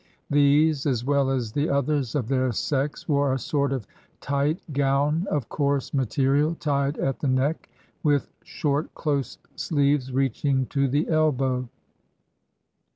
These, as well as the others of their sex, wore a sort of tight gown of coarse material tied at the neck, with short close sleeves reaching to the elbow.